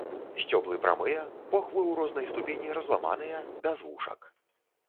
Сцёблы прамыя, похвы ў рознай ступені разламаныя, без вушак.